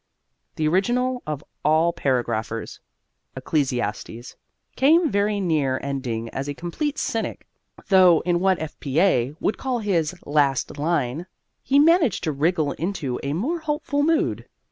The original of all paragraphers Ecclesiastes came very near ending as a complete cynic; though in what F. P. A. would call his "lastline," he managed to wriggle into a more hopeful mood.